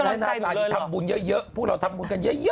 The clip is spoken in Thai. ทำบุญเยอะพวกเราทำบุญกันเยอะ